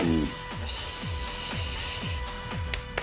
よし。